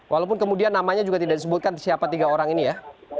walaupun kemudian namanya juga tidak disebutkan siapa tiga orang ini ya